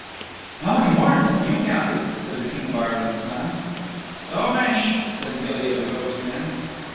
"How many horns have you counted?" said the King of Ireland's Son. "So many," said Gilly of the Goatskin.